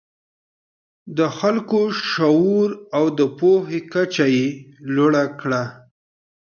د خلکو شعور او د پوهې کچه یې لوړه کړه.